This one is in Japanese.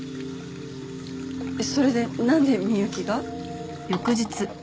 それでなんで美幸が？